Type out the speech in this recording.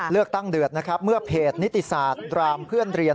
เลือกตั้งเดือดนะครับเมื่อเพจนิติศาสตร์ดรามเพื่อนเรียน